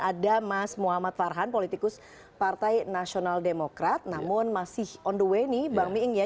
ada mas muhammad farhan politikus partai nasional demokrat namun masih on the way nih bang miing ya